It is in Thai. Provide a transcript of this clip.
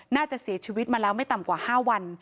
น่าจะเสียชีวิตมาแล้วไม่ต่ำกว่า๕วัน